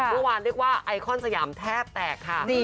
เรียกว่าไอคอนสยามแทบแตกค่ะ